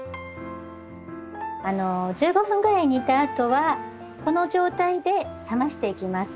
１５分ぐらい煮たあとはこの状態で冷ましていきます。